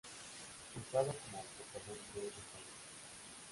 Usado como propelente de cohetes.